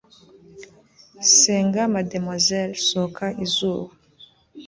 Senga Mademoiselle sohoka izuba